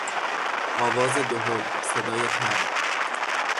آواز دهل، صدای طبل